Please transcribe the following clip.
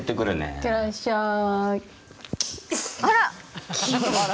いってらっしゃい。